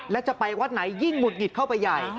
และจะไปวัดไหนยิ่งหุดหงิดเข้าไปใหญ่